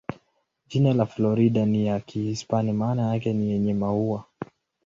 Jina la Florida ni ya Kihispania, maana yake ni "yenye maua".